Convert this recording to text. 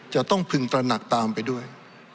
จะต้องพึงตระหนักตามไปด้วย